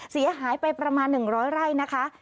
เสียหายไปประมาณ๑๐๐ไร่นะคะ